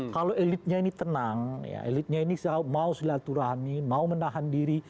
kalau elitnya ini tenang elitnya ini mau silaturahmi mau menahan diri